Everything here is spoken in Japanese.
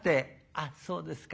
「あっそうですか。